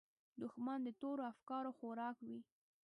دښمن د تورو افکارو خوراک وي